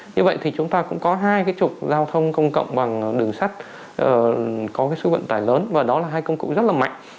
như vậy thì chúng ta cũng có hai cái trục giao thông công cộng bằng đường sắt có cái số vận tải lớn và đó là hai công cụ rất là mạnh